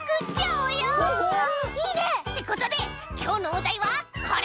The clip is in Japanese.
いいね！ってことできょうのおだいはこれ！